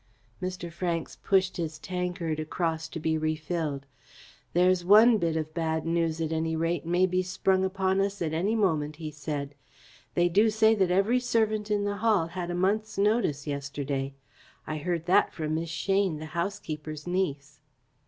Mr. Franks pushed his tankard across to be refilled. "There's one bit of bad news, at any rate, may be sprung upon us at any moment," he said. "They do say that every servant in the Hall had a month's notice yesterday. I heard that from Miss Shane, the housekeeper's niece."